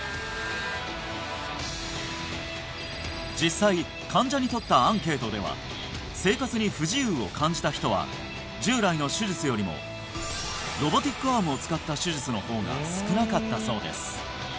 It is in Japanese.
実際患者にとったアンケートでは生活に不自由を感じた人は従来の手術よりもロボティックアームを使った手術の方が少なかったそうです